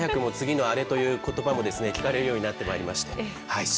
早くも次のアレということばも聞かれるようになってまいりました。